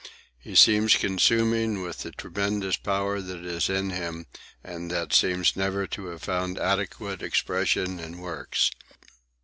He seems consuming with the tremendous power that is in him and that seems never to have found adequate expression in works.